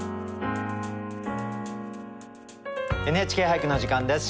「ＮＨＫ俳句」の時間です。